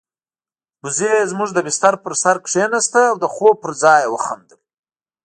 وزې زموږ د بستر پر سر کېناسته او د خوب پر ځای يې وخندل.